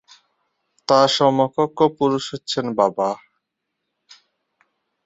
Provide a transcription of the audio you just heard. তার সমকক্ষ পুরুষ হচ্ছেন বাবা।